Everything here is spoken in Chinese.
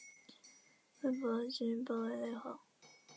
魏博军包围内黄。